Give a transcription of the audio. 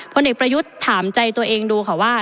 เด็กประยุทธ์ถามใจตัวเองดูค่ะว่า